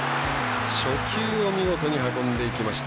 初球を見事に運んでいきました。